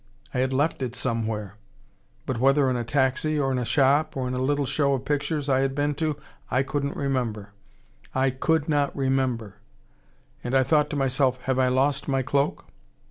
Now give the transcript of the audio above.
I had left it somewhere. But whether in a taxi, or in a shop, or in a little show of pictures I had been to, I couldn't remember. I COULD NOT remember. And I thought to myself: have I lost my cloak?